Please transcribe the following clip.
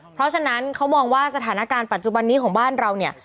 เพราะฉะนั้นเขามองว่าสถานการณ์ปัจจุบันนี้ของบ้านเราเนี่ย